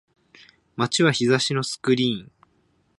街は日差しのスクリーン